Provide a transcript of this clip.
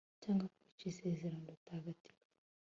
cyangwa kwica isezerano ritagatifu